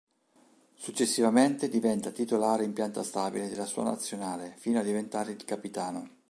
Successivamente, diventa titolare in pianta stabile della sua Nazionale, fino a diventare il capitano.